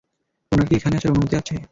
উনার কি এখানে আসার অনুমতি আছে?